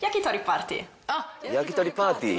焼き鳥パーティー？